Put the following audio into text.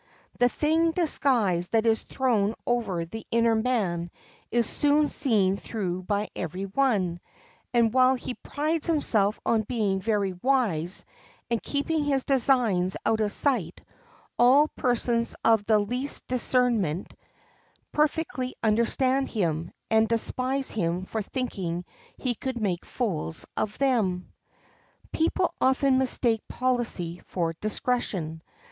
The thin disguise that is thrown over the inner man is soon seen through by every one, and while he prides himself on being very wise and keeping his designs out of sight, all persons of the least discernment perfectly understand him, and despise him for thinking he could make fools of them. People often mistake policy for discretion.